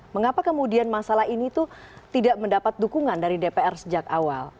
mengapa kemudian masalah ini tuh tidak mendapat dukungan dari dpr sejak awal